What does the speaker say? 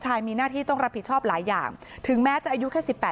มีหน้าที่ต้องรับผิดชอบหลายอย่างถึงแม้จะอายุแค่๑๘